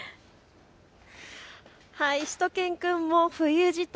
しゅと犬くんも冬支度。